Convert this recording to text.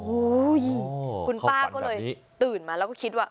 โอ้โหคุณป้าก็เลยตื่นมาแล้วก็คิดว่า